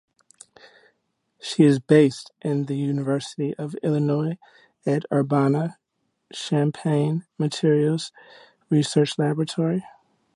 She is based in the University of Illinois at Urbana–Champaign Materials Research Laboratory.